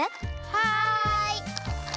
はい！